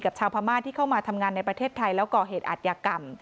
ชาวพม่าที่เข้ามาทำงานในประเทศไทยแล้วก่อเหตุอาทยากรรม